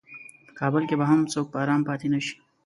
په کابل کې به هم څوک په ارام پاتې نشي.